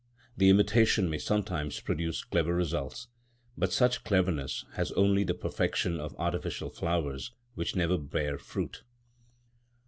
The imitation may sometimes produce clever results; but such cleverness has only the perfection of artificial flowers which never bear fruit.